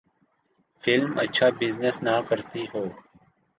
Film اچھا business نہ کرتی ہو۔